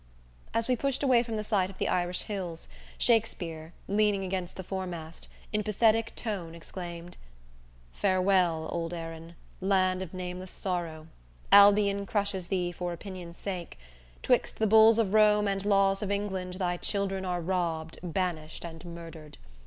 _ As we pushed away from the sight of the Irish hills, Shakspere, leaning against the foremast, in pathetic tone exclaimed: _Farewell, old Erin, land of nameless sorrow, Albion crushes thee for opinion's sake; 'Twixt the Bulls of Rome and Laws of England Thy children are robbed, banished and murdered.